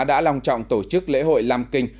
đã lòng trọng tổ chức lễ hội lam kinh